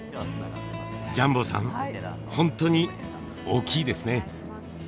ジャンボさんホントに大きいですね。